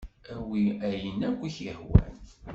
Awi ayen ay ak-yehwan.